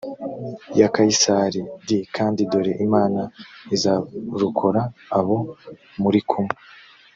ya kayisari d kandi dore imana izarokora abo muri kumwe